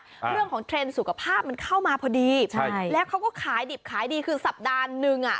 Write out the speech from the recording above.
เรื่องของเทรนด์สุขภาพมันเข้ามาพอดีใช่แล้วเขาก็ขายดิบขายดีคือสัปดาห์หนึ่งอ่ะ